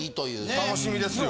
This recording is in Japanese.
楽しみですよ。